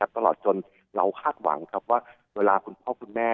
ตลอดจนเราคาดหวังครับว่าเวลาคุณพ่อคุณแม่